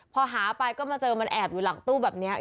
พอหาไปก็มาเจอมันแอบอยู่หลังตู้แบบนี้